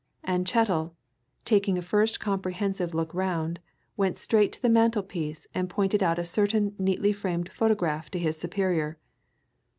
And Chettle, taking a first comprehensive look round, went straight to the mantelpiece and pointed out a certain neatly framed photograph to his superior.